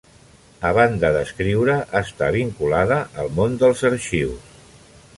A banda d'escriure, està vinculada al món dels arxius.